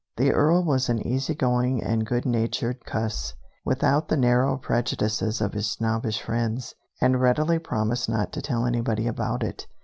The Earl was an easy going and good natured cuss, without the narrow prejudices of his snobbish friends, and readily promised not to tell anybody about it.